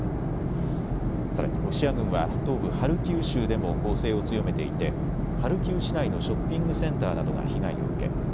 さらにロシア軍は東部ハルキウ州でも攻勢を強めていてハルキウ市内のショッピングセンターなどが被害を受け